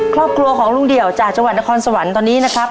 ครอบครัวของลุงเดี่ยวจากจังหวัดนครสวรรค์ตอนนี้นะครับ